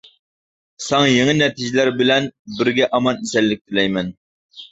ساڭا يېڭى نەتىجىلەر بىلەن بىرگە ئامان-ئېسەنلىك تىلەيمەن.